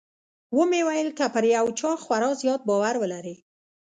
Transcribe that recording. ومې ويل که پر يو چا خورا زيات باور ولرې.